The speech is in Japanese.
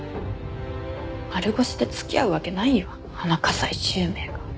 丸腰で付き合うわけないよあの加西周明が。